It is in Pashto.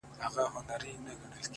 خير دی. زه داسي یم. چي داسي نه وم.